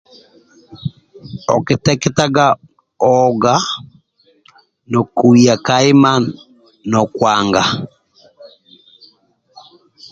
Okiteketaga o oga nokuya ka ima nokuanga